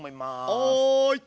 はい。